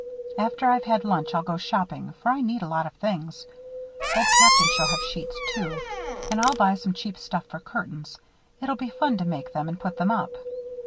After I've had lunch I'll go shopping, for I need a lot of things. Old Captain shall have sheets, too; and I'll buy some cheap stuff for curtains it'll be fun to make them and put them up.